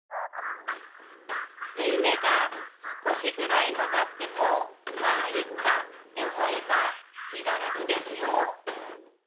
縫い目が少しぐらい曲がってもまぁいいか！って思えば気が楽ですよ。